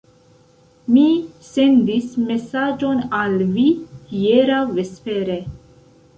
Mi sendis mesaĝon al vi hieraŭ vespere.